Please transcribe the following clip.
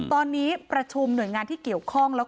ตอนนี้ประชุมหน่วยงานที่เกี่ยวข้อง